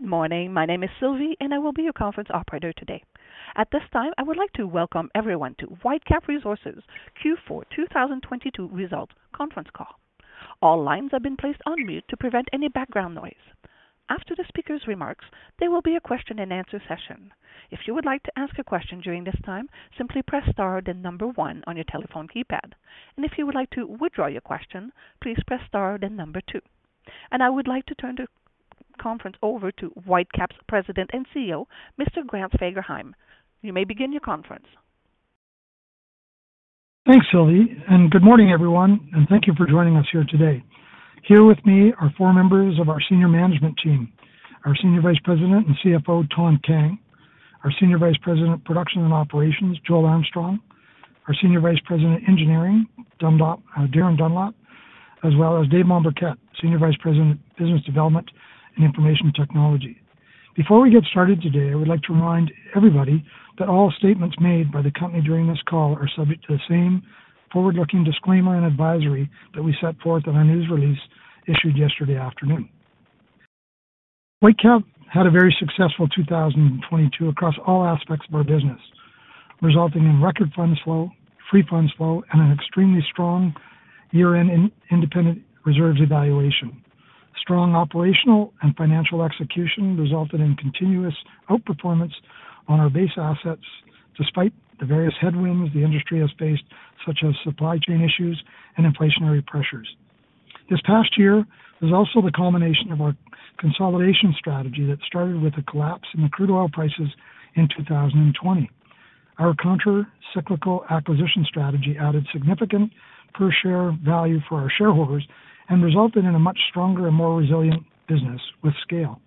Good morning. My name is Sylvie, I will be your conference operator today. At this time, I would like to welcome everyone to Whitecap Resources Q4 2022 Results Conference Call. All lines have been placed on mute to prevent any background noise. After the speaker's remarks, there will be a question and answer session. If you would like to ask a question during this time, simply press star then one on your telephone keypad. If you would like to withdraw your question, please press star then two. I would like to turn the conference over to Whitecap's President and CEO, Mr. Grant Fagerheim. You may begin your conference. Thanks, Sylvie. Good morning, everyone. Thank you for joining us here today. Here with me are four members of our senior management team: our Senior Vice President and CFO, Thanh Kang, our Senior Vice President of Production and Operations, Joel Armstrong, our Senior Vice President of Engineering, Darin Dunlop, as well as Dave Mombourquette, Senior Vice President of Business Development and Information Technology. Before we get started today, I would like to remind everybody that all statements made by the company during this call are subject to the same forward-looking disclaimer and advisory that we set forth in our news release issued yesterday afternoon. Whitecap had a very successful 2022 across all aspects of our business, resulting in record fund flow, free fund flow, and an extremely strong year-end independent reserves evaluation. Strong operational and financial execution resulted in continuous outperformance on our base assets despite the various headwinds the industry has faced, such as supply chain issues and inflationary pressures. This past year was also the culmination of our consolidation strategy that started with the collapse in the crude oil prices in 2020. Our counter-cyclical acquisition strategy added significant per share value for our shareholders and resulted in a much stronger and more resilient business with scale.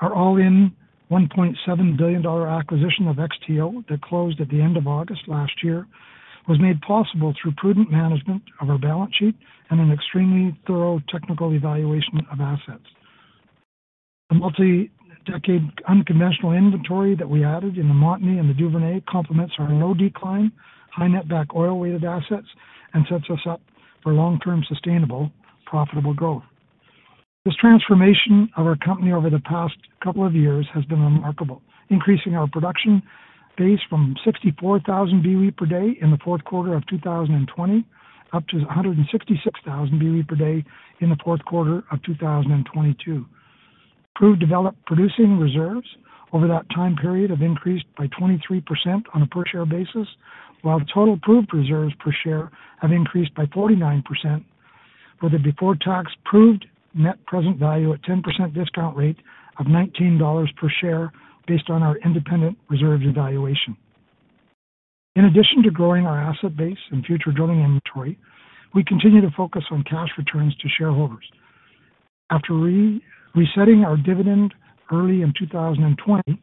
Our all-in CAD 1.7 billion acquisition of XTO that closed at the end of August last year was made possible through prudent management of our balance sheet and an extremely thorough technical evaluation of assets. The multi-decade unconventional inventory that we added in the Montney and the Duvernay complements our low-decline, high net back oil weighted assets and sets us up for long-term, sustainable, profitable growth. This transformation of our company over the past couple of years has been remarkable, increasing our production base from 64,000 BOE per day in the fourth quarter of 2020 up to 166,000 BOE per day in the fourth quarter of 2022. Proved Developed Producing reserves over that time period have increased by 23% on a per share basis, while the total Proved reserves per share have increased by 49% with a before tax Proved net present value at 10% discount rate of 19 dollars per share based on our independent reserves evaluation. In addition to growing our asset base and future drilling inventory, we continue to focus on cash returns to shareholders. After resetting our dividend early in 2020,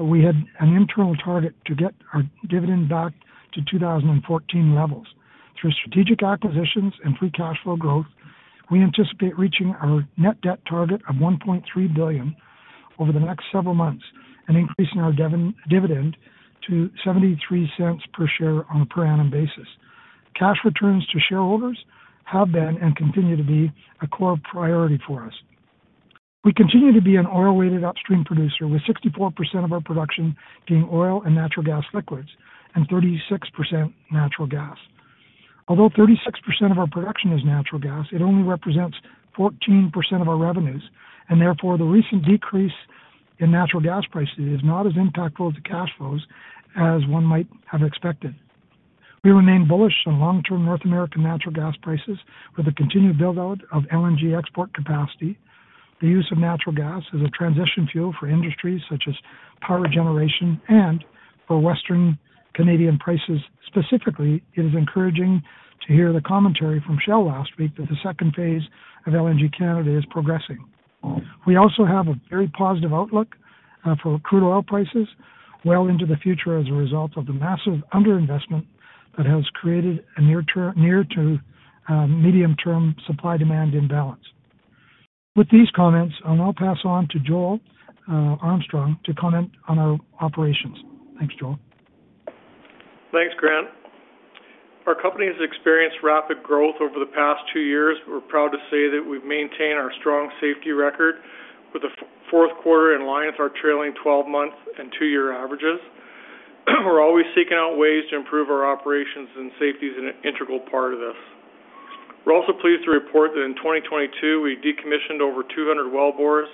we had an internal target to get our dividend back to 2014 levels. Through strategic acquisitions and free cash flow growth, we anticipate reaching our net debt target of 1.3 billion over the next several months and increasing our dividend to 0.73 per share on a per annum basis. Cash returns to shareholders have been and continue to be a core priority for us. We continue to be an oil-weighted upstream producer with 64% of our production being oil and natural gas liquids and 36% natural gas. Although 36% of our production is natural gas, it only represents 14% of our revenues. Therefore, the recent decrease in natural gas prices is not as impactful to cash flows as one might have expected. We remain bullish on long-term North American natural gas prices with a continued build-out of LNG export capacity, the use of natural gas as a transition fuel for industries such as power generation and for Western Canadian prices. Specifically, it is encouraging to hear the commentary from Shell last week that the second phase of LNG Canada is progressing. We also have a very positive outlook for crude oil prices well into the future as a result of the massive under-investment that has created a near to medium-term supply-demand imbalance. With these comments, I'll now pass on to Joel Armstrong to comment on our operations. Thanks, Joel. Thanks, Grant. Our company has experienced rapid growth over the past two years. We're proud to say that we've maintained our strong safety record with the fourth quarter in line with our trailing 12-month and two-year averages. We're always seeking out ways to improve our operations, and safety is an integral part of this. We're also pleased to report that in 2022, we decommissioned over 200 wellbores,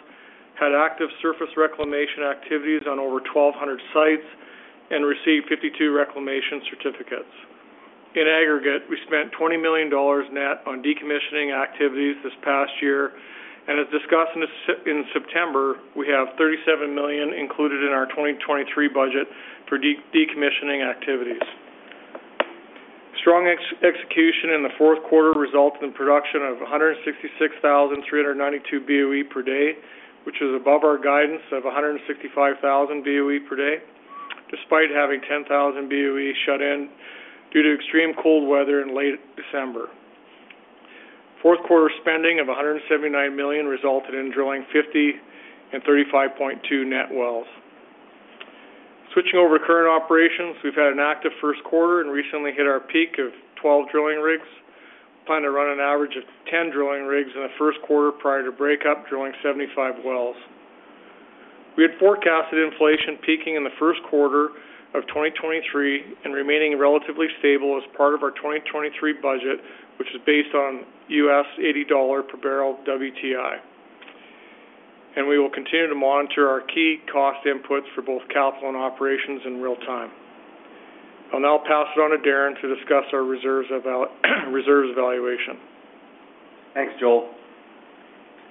had active surface reclamation activities on over 1,200 sites, and received 52 reclamation certificates. In aggregate, we spent 20 million dollars net on decommissioning activities this past year, and as discussed in September, we have 37 million included in our 2023 budget for decommissioning activities. Strong execution in the fourth quarter results in production of 166,392 BOE per day, which is above our guidance of 165,000 BOE per day, despite having 10,000 BOE shut in due to extreme cold weather in late December. Fourth quarter spending of 179 million resulted in drilling 50 and 35.2 net wells. Switching over current operations. We've had an active first quarter and recently hit our peak of 12 drilling rigs. Plan to run an average of 10 drilling rigs in the first quarter prior to break up, drilling 75 wells. We had forecasted inflation peaking in the first quarter of 2023 and remaining relatively stable as part of our 2023 budget, which is based on $80 per barrel WTI. We will continue to monitor our key cost inputs for both capital and operations in real time. I'll now pass it on to Darin to discuss our reserves evaluation. Thanks, Joel.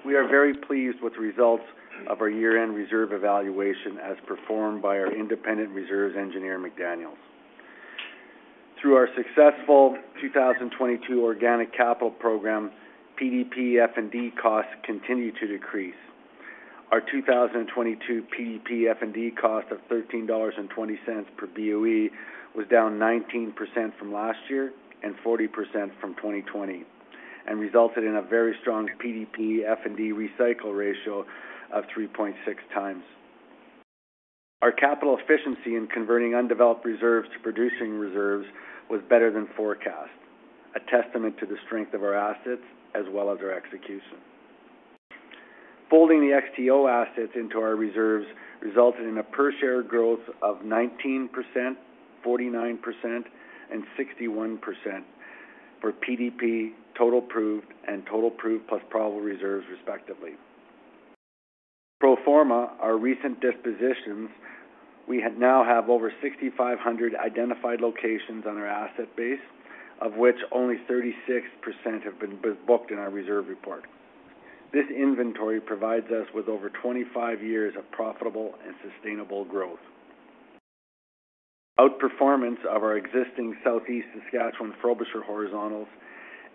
We are very pleased with the results of our year-end reserve evaluation as performed by our independent reserves engineer, McDaniels. Through our successful 2022 organic capital program, PDP F&D costs continued to decrease. Our 2022 PDP F&D cost of 13.20 dollars per BOE was down 19% from last year and 40% from 2020, and resulted in a very strong PDP F&D recycle ratio of 3.6x. Our capital efficiency in converting undeveloped reserves to producing reserves was better than forecast, a testament to the strength of our assets as well as our execution. Folding the XTO assets into our reserves resulted in a per-share growth of 19%, 49%, and 61% for PDP total proved and total proved plus probable reserves respectively. Pro forma, our recent dispositions, now have over 6,500 identified locations on our asset base, of which only 36% have been booked in our reserve report. This inventory provides us with over 25 years of profitable and sustainable growth. Outperformance of our existing Southeast Saskatchewan Frobisher horizontals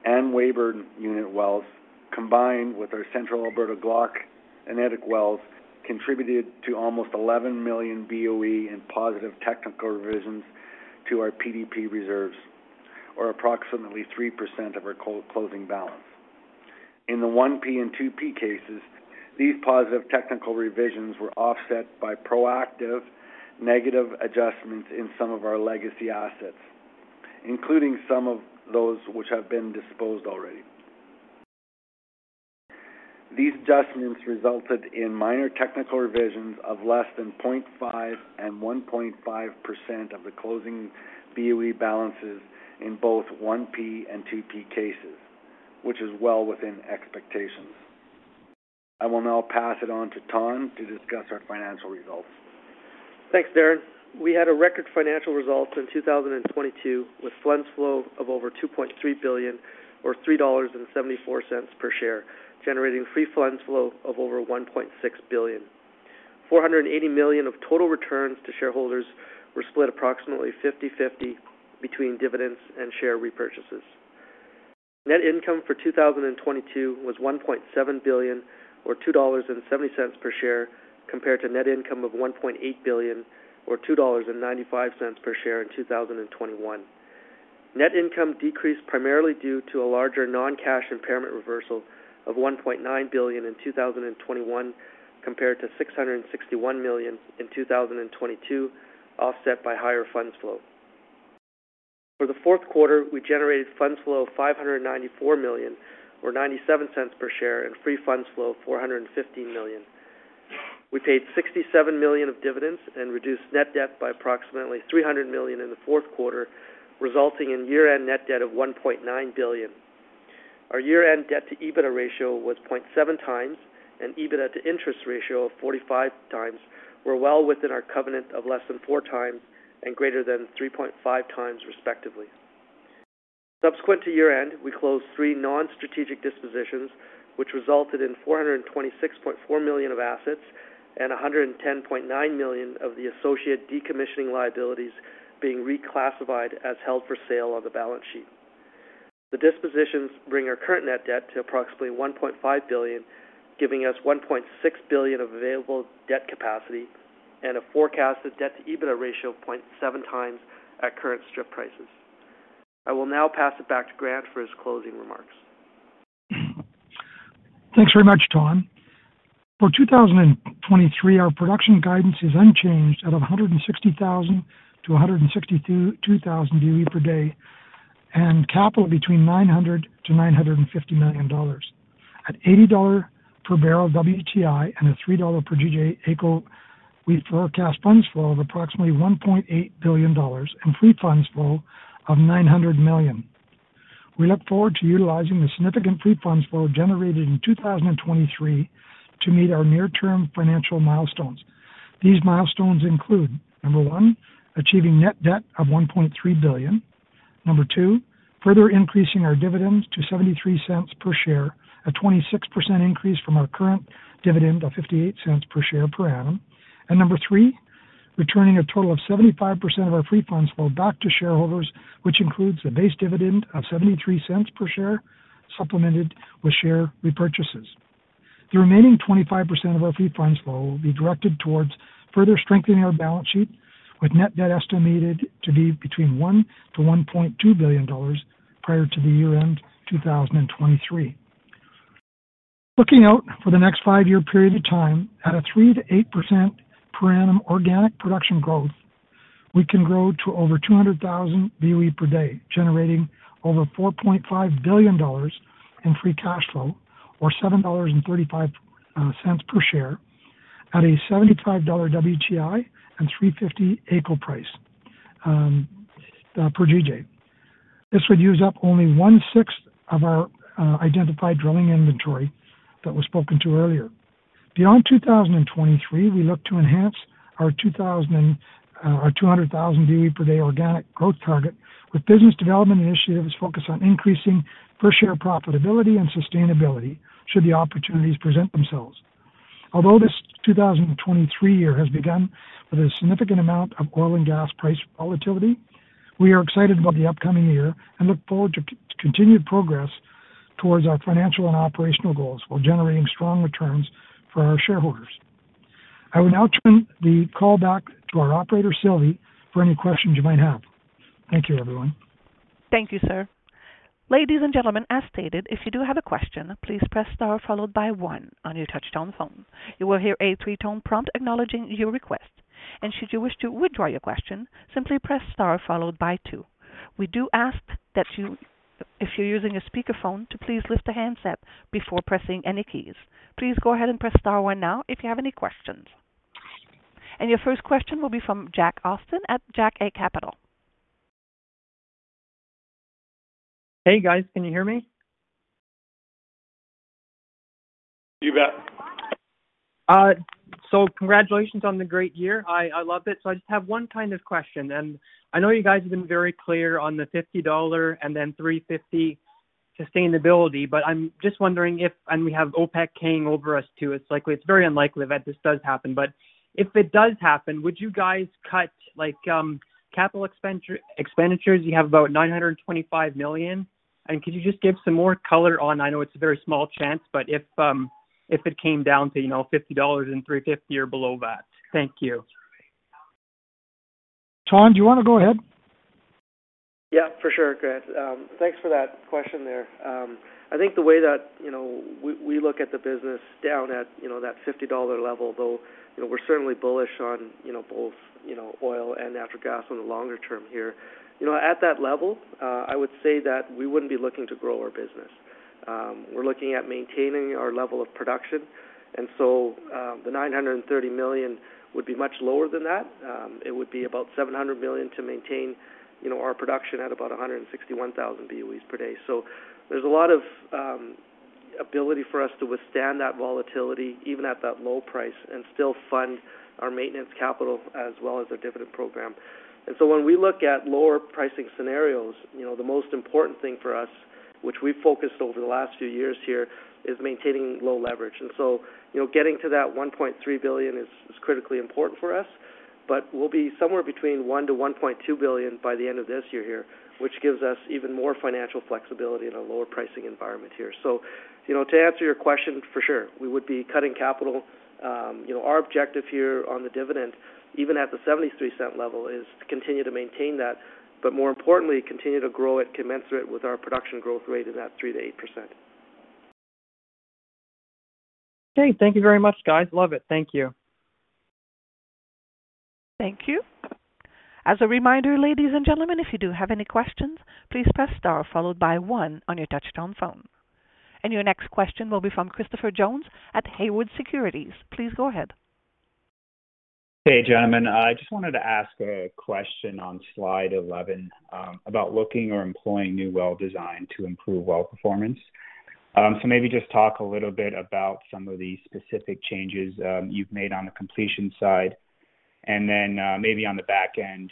and Weyburn unit wells, combined with our Central Alberta Glauconite and Ellerslie wells, contributed to almost 11 million BOE in positive technical revisions to our PDP reserves, or approximately 3% of our closing balance. In the 1P and 2P cases, these positive technical revisions were offset by proactive negative adjustments in some of our legacy assets, including some of those which have been disposed already. These adjustments resulted in minor technical revisions of less than 0.5% and 1.5% of the closing BOE balances in both 1P and 2P cases, which is well within expectations. I will now pass it on to Thanh to discuss our financial results. Thanks, Darin. We had a record financial results in 2022, with funds flow of over 2.3 billion or 3.74 dollars per share, generating free funds flow of over 1.6 billion. 480 million of total returns to shareholders were split approximately 50/50 between dividends and share repurchases. Net income for 2022 was 1.7 billion or 2.70 dollars per share compared to net income of 1.8 billion or 2.95 dollars per share in 2021. Net income decreased primarily due to a larger non-cash impairment reversal of 1.9 billion in 2021 compared to 661 million in 2022, offset by higher funds flow. For the fourth quarter, we generated funds flow of 594 million or 0.97 per share and free funds flow of 415 million. We paid 67 million of dividends and reduced net debt by approximately 300 million in the fourth quarter, resulting in year-end net debt of 1.9 billion. Our year-end debt-to-EBITDA ratio was 0.7x, and EBITDA-to-interest ratio of 45x were well within our covenant of less than 4 times and greater than 3.5x, respectively. Subsequent to year-end, we closed three non-strategic dispositions, which resulted in 426.4 million of assets and 110.9 million of the associated decommissioning liabilities being reclassified as held for sale on the balance sheet. The dispositions bring our current net debt to approximately 1.5 billion, giving us CAD 1.6 billion of available debt capacity and a forecasted debt-to-EBITDA ratio of 0.7x at current strip prices. I will now pass it back to Grant for his closing remarks. Thanks very much, Thanh. For 2023, our production guidance is unchanged at 160,000 to 162,000 BOE per day and capital between 900 million to 950 million dollars. At $80 per barrel WTI and 3 dollar per GJ AECO, we forecast funds flow of approximately 1.8 billion dollars and free funds flow of 900 million. We look forward to utilizing the significant free funds flow generated in 2023 to meet our near-term financial milestones. These milestones include, number one, achieving net debt of 1.3 billion. Number two, further increasing our dividends to 0.73 per share, a 26% increase from our current dividend of 0.58 per share per annum. Number three, returning a total of 75% of our free funds flow back to shareholders, which includes a base dividend of 0.73 per share, supplemented with share repurchases. The remaining 25% of our free funds flow will be directed towards further strengthening our balance sheet with net debt estimated to be between 1 billion to 1.2 billion dollars prior to the year-end 2023. Looking out for the next five-year period of time at a 3% to 8% per annum organic production growth, we can grow to over 200,000 BOE per day, generating over 4.5 billion dollars in free cash flow or 7.35 dollars per share at a 75 dollar WTI and 3.50 AECO price per GJ. This would use up only one-sixth of our identified drilling inventory that was spoken to earlier. Beyond 2023, we look to enhance our 200,000 BOE per day organic growth target with business development initiatives focused on increasing per share profitability and sustainability should the opportunities present themselves. This 2023 year has begun with a significant amount of oil and gas price volatility, we are excited about the upcoming year and look forward to continued progress towards our financial and operational goals while generating strong returns for our shareholders. I will now turn the call back to our operator, Sylvie, for any questions you might have. Thank you, everyone. Thank you, sir. Ladies and gentlemen, as stated, if you do have a question, please press Star followed by one on your touchtone phone. You will hear a three-tone prompt acknowledging your request. Should you wish to withdraw your question, simply press Star followed by two. We do ask that if you're using a speakerphone, to please lift the handset before pressing any keys. Please go ahead and press Star one now if you have any questions. Your first question will be from Jack Austin at uncertain. Hey, guys. Can you hear me? You bet. Congratulations on the great year. I love it. I just have one kind of question, and I know you guys have been very clear on the 50 dollar and then 3.50 sustainability, but I'm just wondering. We have OPEC hanging over us, too. It's very unlikely that this does happen, but if it does happen, would you guys cut, like, capital expenditures? You have about 925 million. Could you just give some more color on... I know it's a very small chance, but if it came down to, you know, 50 dollars and 3.50 or below that. Thank you. Joel, do you wanna go ahead? Yeah, for sure, Grant. Thanks for that question there. I think the way that, you know, we look at the business down at, you know, that 50 dollar level, though, you know, we're certainly bullish on, you know, both, you know, oil and natural gas in the longer term here. You know, at that level, I would say that we wouldn't be looking to grow our business. We're looking at maintaining our level of production, the 930 million would be much lower than that. It would be about 700 million to maintain, you know, our production at about 161,000 BOEs per day. There's a lot of ability for us to withstand that volatility even at that low price and still fund our maintenance capital as well as our dividend program. When we look at lower pricing scenarios, you know, the most important thing for us, which we focused over the last few years here, is maintaining low leverage. You know, getting to that 1.3 billion is critically important for us. But we'll be somewhere between 1 billion to 1.2 billion by the end of this year here, which gives us even more financial flexibility in a lower pricing environment here. You know, to answer your question, for sure, we would be cutting capital. You know, our objective here on the dividend, even at the 0.73 level, is to continue to maintain that, but more importantly, continue to grow it commensurate with our production growth rate of that 3% to 8%. Okay. Thank you very much, guys. Love it. Thank you. Thank you. As a reminder, ladies and gentlemen, if you do have any questions, please press Star followed by one on your touchtone phone. Your next question will be from Christopher Jones at Haywood Securities. Please go ahead. Hey, gentlemen. I just wanted to ask a question on slide 11, about looking or employing new well design to improve well performance. Maybe just talk a little bit about some of the specific changes, you have made on the completion side. Then maybe on the back end,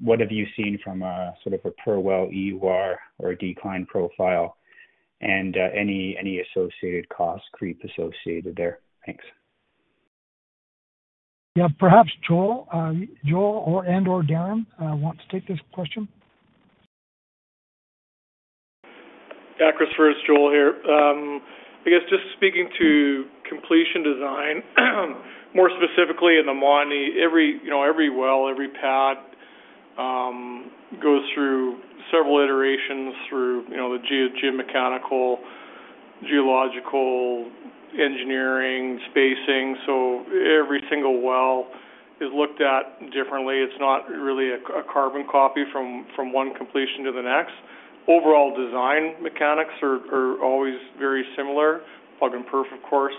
what have you seen from a sort of a per well EUR or a decline profile and any associated cost creep associated there? Thanks. Yeah. Perhaps Joel and/or Darin, want to take this question. Yeah, Christopher, it's Joel here. I guess just speaking to completion design, more specifically in the Montney, every, you know, every well, every pad, goes through several iterations through, you know, the geo-geomechanical, geological engineering, spacing. Every single well is looked at differently. It's not really a carbon copy from one completion to the next. Overall design mechanics are always very similar, plug and perf, of course.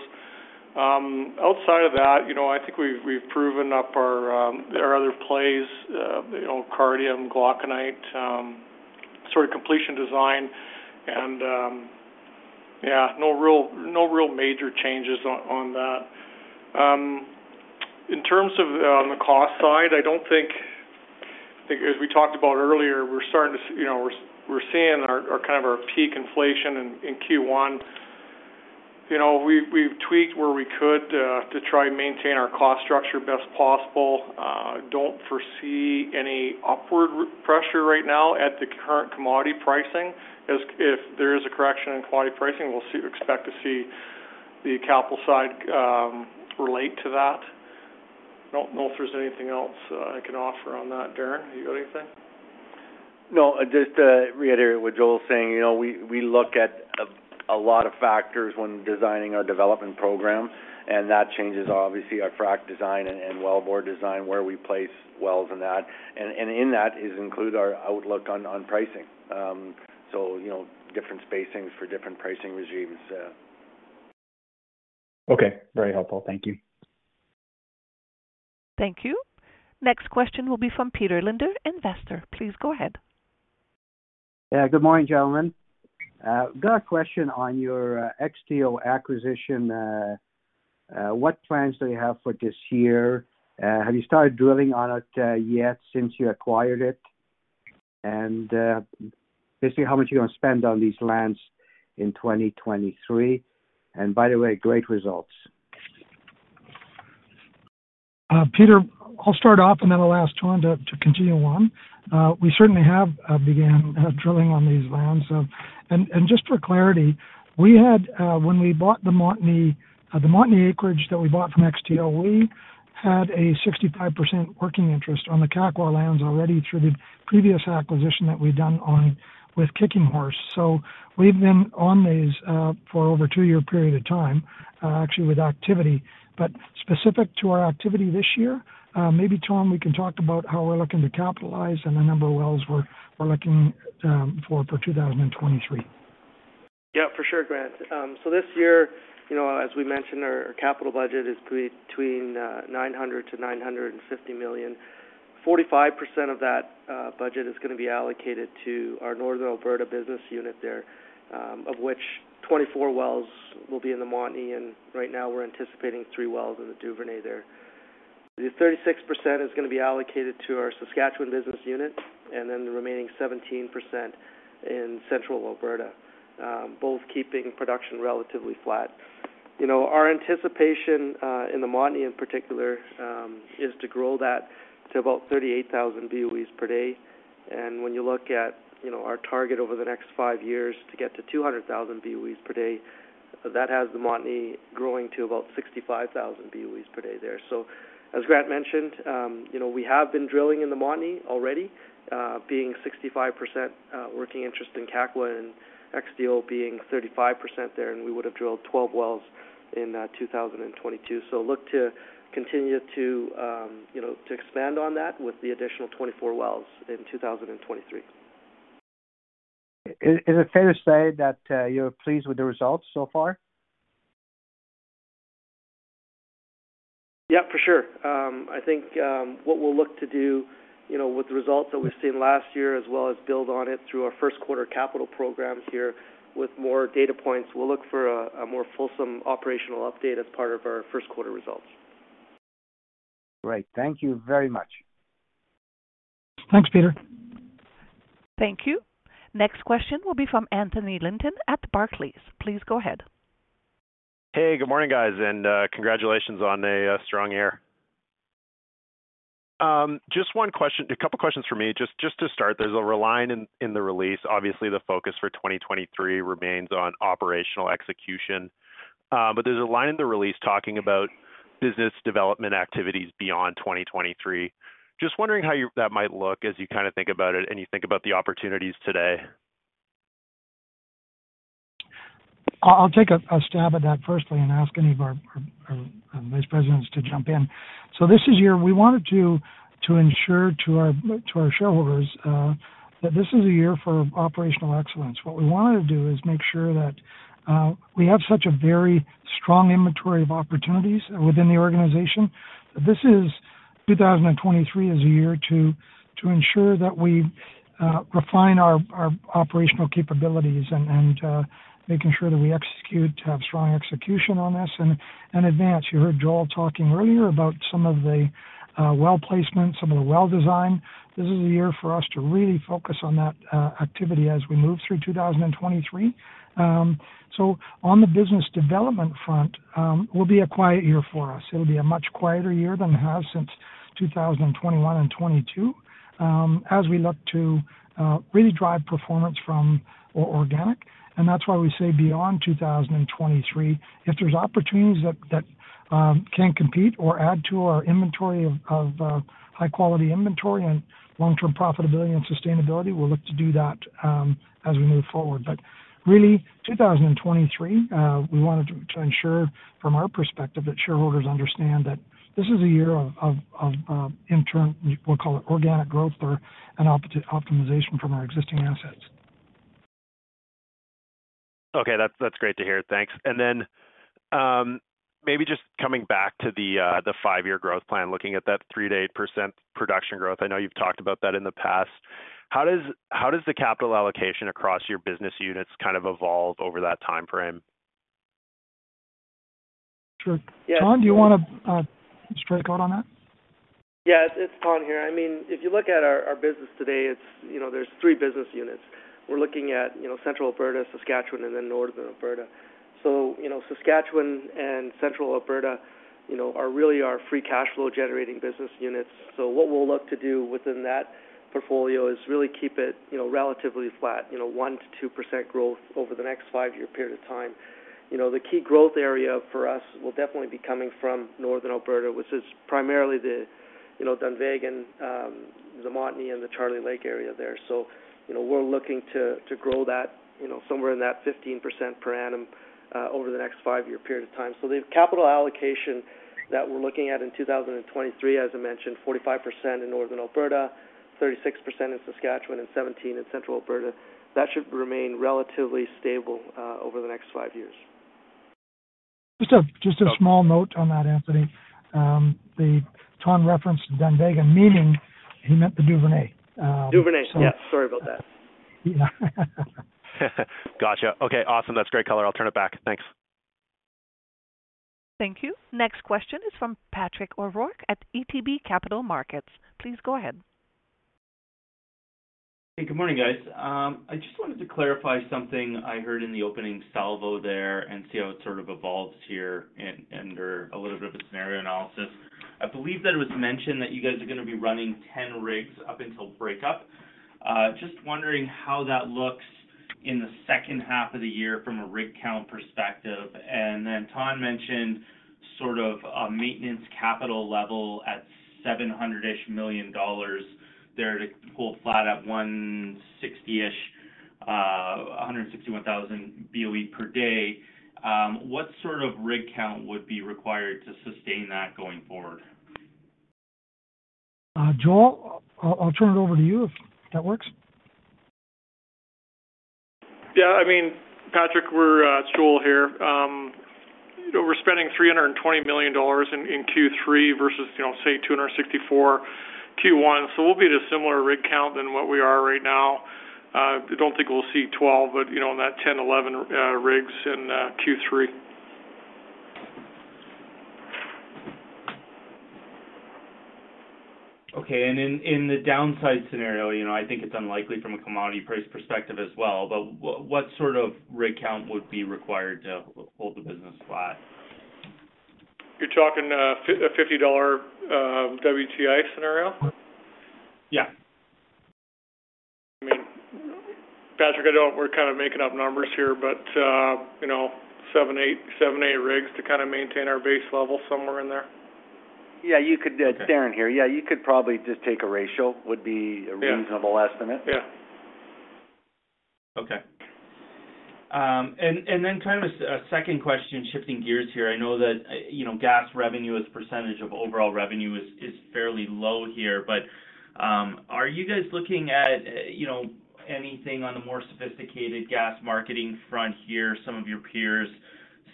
Outside of that, you know, I think we've proven up our other plays, you know, Cardium, Glauconite, sort of completion design and, yeah, no real major changes on that. In terms of on the cost side, I think as we talked about earlier, we're starting to, you know, we're seeing our kind of our peak inflation in Q1. You know, we've tweaked where we could, to try and maintain our cost structure best possible. Don't foresee any upward pressure right now at the current commodity pricing. As if there is a correction in commodity pricing, we'll expect to see the capital side relate to that. I don't know if there's anything else I can offer on that. Darin, have you got anything? No. Just to reiterate what Joel is saying. You know, we look at a lot of factors when designing our development program, and that changes obviously our frack design and well bore design, where we place wells in that. In that is include our outlook on pricing. You know, different spacings for different pricing regimes. Okay. Very helpful. Thank you. Thank you. Next question will be from Peter Linder, investor. Please go ahead. Yeah. Good morning, gentlemen. Got a question on your XTO acquisition. What plans do you have for this year? Have you started drilling on it yet since you acquired it? Basically, how much are you gonna spend on these lands in 2023? By the way, great results. Peter, I'll start off, and then I'll ask Thanh to continue on. We certainly have began drilling on these lands. Just for clarity, we had when we bought the Montney, the Montney acreage that we bought from XTO, we had a 65% working interest on the Kakwa lands already through the previous acquisition that we'd done on with Kicking Horse. We've been on these for over a two-year period of time, actually with activity. Specific to our activity this year, maybe Thanh, we can talk about how we're looking to capitalize and the number of wells we're looking for 2023. Yeah, for sure, Grant. This year, you know, as we mentioned, our capital budget is between 900 million to 950 million. 45% of that budget is gonna be allocated to our Northern Alberta business unit there, of which 24 wells will be in the Montney, and right now we're anticipating three wells in the Duvernay there. 36% is gonna be allocated to our Saskatchewan business unit, and then the remaining 17% in central Alberta, both keeping production relatively flat. You know, our anticipation in the Montney in particular is to grow that to about 38,000 BOEs per day. When you look at, you know, our target over the next 5 years to get to 200,000 BOEs per day, that has the Montney growing to about 65,000 BOEs per day there. As Grant mentioned, you know, we have been drilling in the Montney already, being 65% working interest in Kakwa and XTO being 35% there, and we would have drilled 12 wells in 2022. Look to continue to, you know, to expand on that with the additional 24 wells in 2023. Is it fair to say that you're pleased with the results so far? Yeah, for sure. I think what we'll look to do, you know, with the results that we've seen last year as well as build on it through our first quarter capital programs here with more data points, we'll look for a more fulsome operational update as part of our first quarter results. Great. Thank you very much. Thanks, Peter. Thank you. Next question will be from Anthony Linton at Barclays. Please go ahead. Hey, good morning, guys, and congratulations on a strong year. Just one question, a couple questions for me. Just to start, there's a line in the release. Obviously, the focus for 2023 remains on operational execution. There's a line in the release talking about business development activities beyond 2023. Just wondering how that might look as you kinda think about it and you think about the opportunities today? I'll take a stab at that firstly and ask any of our vice presidents to jump in. We wanted to ensure to our shareholders that this is a year for operational excellence. What we wanted to do is make sure that we have such a very strong inventory of opportunities within the organization. 2023 is a year to ensure that we refine our operational capabilities and making sure that we execute, have strong execution on this and advance. You heard Joel talking earlier about some of the well placement, some of the well design. This is a year for us to really focus on that activity as we move through 2023. On the business development front, will be a quiet year for us. It'll be a much quieter year than we have since 2021 and 2022, as we look to really drive performance from or organic. That's why we say beyond 2023, if there's opportunities that can compete or add to our inventory of high quality inventory and long-term profitability and sustainability, we'll look to do that as we move forward. Really, 2023, we wanted to ensure from our perspective that shareholders understand that this is a year of internal, we'll call it organic growth or an opti-optimization from our existing assets. Okay. That's, that's great to hear. Thanks. Maybe just coming back to the five-year growth plan, looking at that 3% to 8% production growth. I know you've talked about that in the past. How does the capital allocation across your business units kind of evolve over that timeframe? Sure. Thanh, do you wanna spread a card on that? Yeah, it's Thanh here. I mean, if you look at our business today, it's, you know, there's three business units. We're looking at, you know, Central Alberta, Saskatchewan, and then Northern Alberta. Saskatchewan and Central Alberta, you know, are really our free cash flow generating business units. What we'll look to do within that portfolio is really keep it, you know, relatively flat, you know, 1% to 2% growth over the next five-year period of time. You know, the key growth area for us will definitely be coming from Northern Alberta, which is primarily the Dunvegan, Montney and the Charlie Lake area there. We're looking to grow that, you know, somewhere in that 15% per annum over the next five-year period of time. The capital allocation that we're looking at in 2023, as I mentioned, 45% in Northern Alberta, 36% in Saskatchewan and 17% in Central Alberta. That should remain relatively stable over the next five years. Just a small note on that, Anthony. Thanh referenced Dunvegan, meaning he meant the Duvernay. Duvernay. Yeah, sorry about that. Yeah. Gotcha. Okay, awesome. That's great color. I'll turn it back. Thanks. Thank you. Next question is from Patrick O'Rourke at ATB Capital Markets. Please go ahead. Hey, good morning, guys. I just wanted to clarify something I heard in the opening salvo there and see how it sort of evolves here under a little bit of a scenario analysis. I believe that it was mentioned that you guys are gonna be running 10 rigs up until breakup. Just wondering how that looks in the second half of the year from a rig count perspective. Thanh mentioned sort of a maintenance capital level at 700-ish million dollars there to pull flat at 160-ish, 161,000 BOE per day. What sort of rig count would be required to sustain that going forward? Joel, I'll turn it over to you if that works. Yeah, I mean, Patrick. It's Joel here. You know, we're spending 320 million dollars in Q3 versus, you know, say 264 Q1. We'll be at a similar rig count than what we are right now. I don't think we'll see 12, but, you know, in that 10, 11 rigs in Q3. Okay. In the downside scenario, you know, I think it's unlikely from a commodity price perspective as well, but what sort of rig count would be required to hold the business flat? You're talking a 50 dollar WTI scenario? Yeah. I mean, Patrick, we're kind of making up numbers here, but, you know, seven, eight rigs to kind of maintain our base level somewhere in there. Yeah, you could. Darin here. Yeah, you could probably just take a ratio. Yeah. a reasonable estimate. Yeah. Okay. Kind of a second question, shifting gears here. I know that, you know, gas revenue as percentage of overall revenue is fairly low here. Are you guys looking at, you know, anything on the more sophisticated gas marketing front here? Some of your peers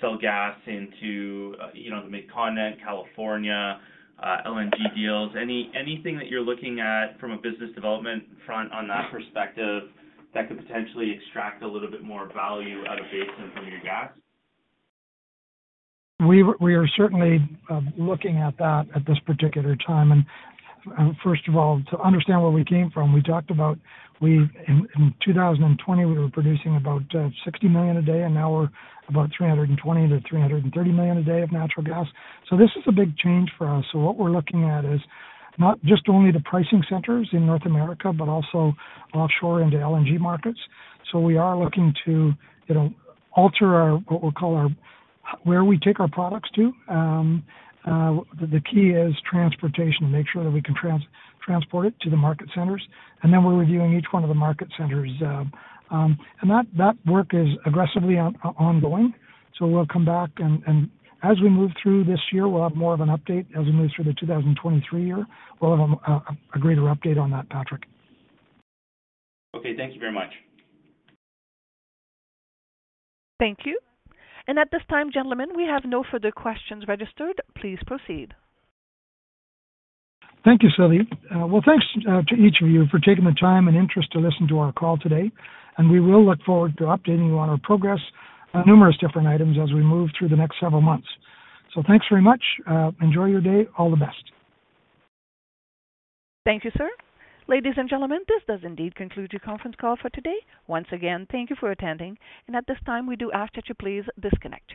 sell gas into, you know, the mid-continent, California, LNG deals. Anything that you're looking at from a business development front on that perspective that could potentially extract a little bit more value out of basin from your gas? We are certainly looking at that at this particular time. First of all, to understand where we came from, we talked about in 2020, we were producing about 60 million a day, and now we're about 320 to 330 million a day of natural gas. This is a big change for us. What we're looking at is not just only the pricing centers in North America, but also offshore into LNG markets. We are looking to, you know, alter our, what we'll call our, where we take our products to. The key is transportation, to make sure that we can transport it to the market centers. We're reviewing each one of the market centers. That work is aggressively on ongoing. We'll come back and as we move through this year, we'll have more of an update. As we move through the 2023 year, we'll have a greater update on that, Patrick. Okay, thank you very much. Thank you. At this time, gentlemen, we have no further questions registered. Please proceed. Thank you, Sylvie. Well, thanks to each of you for taking the time and interest to listen to our call today. We will look forward to updating you on our progress on numerous different items as we move through the next several months. Thanks very much. Enjoy your day. All the best. Thank you, sir. Ladies and gentlemen, this does indeed conclude your conference call for today. Once again, thank you for attending. At this time, we do ask that you please disconnect.